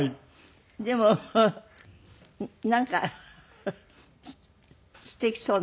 でもなんか素敵そうな。